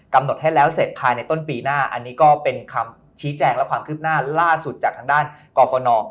กำหนดให้แล้วเสร็จภายในต้นปีหน้าอันนี้ก็เป็นคำชี้แจงและความคืบหน้าล่าสุดจากทางด้านกรฟน